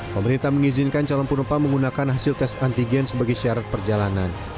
pemerintah mengizinkan calon penumpang menggunakan hasil tes antigen sebagai syarat perjalanan